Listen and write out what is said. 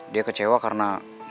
dia kecewa karena